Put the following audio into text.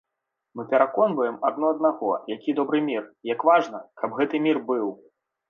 Мы пераконваем адно аднаго, які добры мір, як важна, каб гэты мір быў.